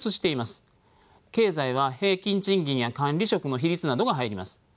経済は平均賃金や管理職の比率などが入ります。